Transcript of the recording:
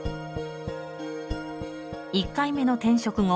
１回目の転職後